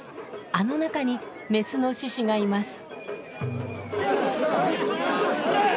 あの中にメスの獅子がいます。